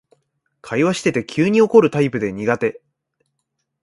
会話してて急に怒るタイプで苦手